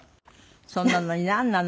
それなのになんなの？